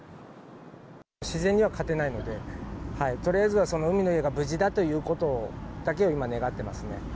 自然には勝てないので、とりあえずは海の家が無事だということを、だけを今、願ってますね。